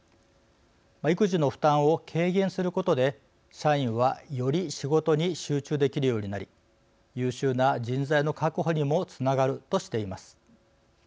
育児の負担を軽減することで社員は、より仕事に集中できるようになり優秀な人材の確保にもつながるとしています。